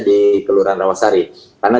di kelurahan rawasari karena